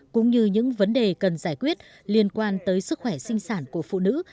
cũng như những vấn đề cần giải quyết liên quan tới sức khỏe sinh sản của phụ nữ